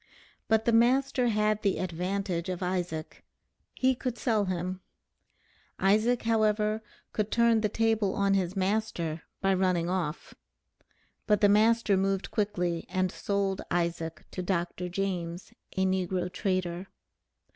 But the master had the advantage of Isaac, he could sell him. Isaac, however, could turn the table on his master, by running off. But the master moved quickly and sold Isaac to Dr. James, a negro trader.